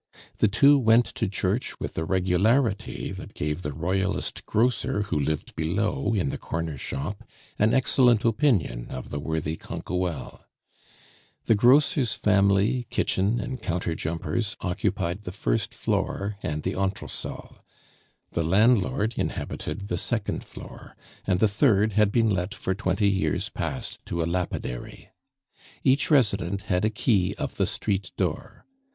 The two went to church with a regularity that gave the royalist grocer, who lived below, in the corner shop, an excellent opinion of the worthy Canquoelle. The grocer's family, kitchen, and counter jumpers occupied the first floor and the entresol; the landlord inhabited the second floor; and the third had been let for twenty years past to a lapidary. Each resident had a key of the street door.